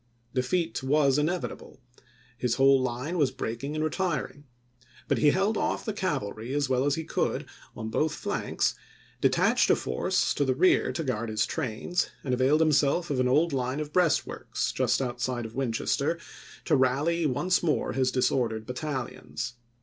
Defeat was inevi table; his whole line was breaking and retiring. But he held off the cavalry as well as he could, on both flanks, detached a force to the rear to guard his trains, and availed himself of an old line of 304 ABEAHAM LINCOLN ch. xiii. breastworks, just outside of Winchester, to rally once more his disordered battalions.